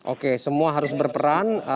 oke semua harus berperan